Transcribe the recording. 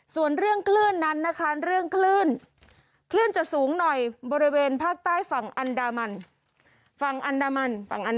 ส่วนเรื่องคลื่นนั้นนะคะเรื่องคลื่นจะสูงหน่อยบริเวณภาคใต้ฝั่งอันดามัน